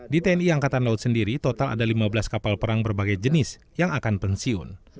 di tni angkatan laut sendiri total ada lima belas kapal perang berbagai jenis yang akan pensiun